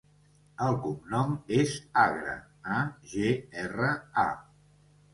El cognom és Agra: a, ge, erra, a.